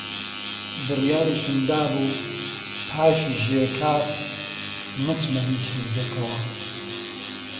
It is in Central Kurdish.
بڕیاریشم دابوو پاش ژێ-ک نەچمە هیچ حیزبێکەوە